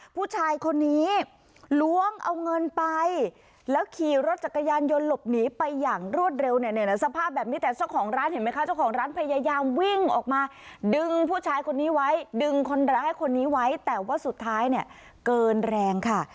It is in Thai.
ผู้ชายคนนี้ล้วงเอาเงินไปแล้วขี่รถจักรยานยนต์หลบหนีไปอย่างรวดเร็วเนี่ยนะสภาพแบบนี้แต่เจ้าของร้านเห็นไหมคะเจ้าของร้านพยายามวิ่งออกมาดึงผู้ชายคนนี้ไว้ดึงคนร้ายคนนี้ไว้แต่ว่าสุดท้ายเนี่ยเกินแรงค่ะ